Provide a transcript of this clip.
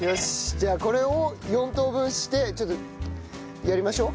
じゃあこれを４等分してちょっとやりましょう。